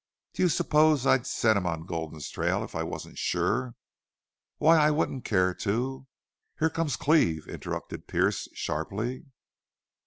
Do you suppose I'd set him on Gulden's trail if I wasn't sure? Why I wouldn't care to " "Here comes Cleve," interrupted Pearce, sharply.